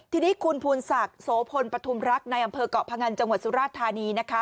ทีนี้คุณภูนศักดิ์โสพลปฐุมรักษ์ในอำเภอกเกาะพงันจังหวัดสุราชธานีนะคะ